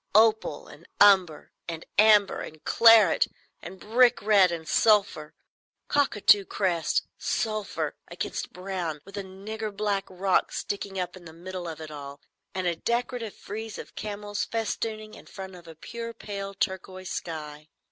Opal and umber and amber and claret and brick red and sulphur—cockatoo crest—sulphur—against brown, with a nigger black rock sticking up in the middle of it all, and a decorative frieze of camels festooning in front of a pure pale turquoise sky."